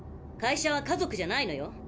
会社は家族じゃないのよ。